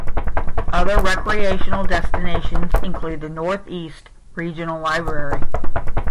Other recreational destinations include the Northeast Regional Library.